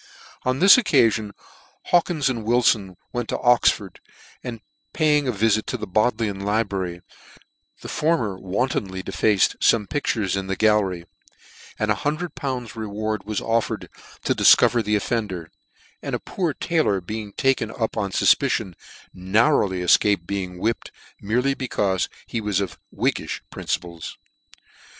On this occafion Hawkins and Wilfon went to Oxford, and paying a vifit to the Bodleian libra ry, the former wantonly defaced fome pictures in the gallery ; and lool. reward was offered to dif cover the offender : and a poor taylor being taken up on fufpicion, narrowly efcaped being whipped, merely becaufe he was of whiggifh principles.